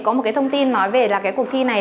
có một cái thông tin nói về là cái cuộc thi này